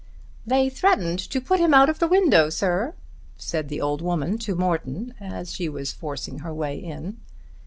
"They threatened to put him out of the window, sir," said the old woman to Morton as she was forcing her way in.